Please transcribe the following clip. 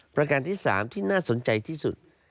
ประการที่๓ที่น่าสนใจที่สุด